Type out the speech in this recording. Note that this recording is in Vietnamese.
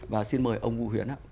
và xin mời ông ngu huyến